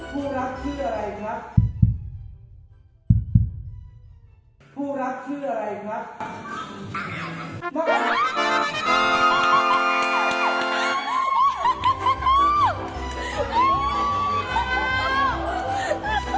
ครับโทรหาต้องโทรหาขอข้าวให้ใครค่ะนี่แก่